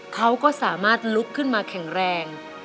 เขาก็สามารถลุกขึ้นมาแข็งแรง